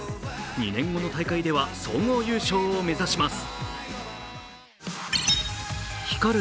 ２年後の大会では総合優勝を目指します。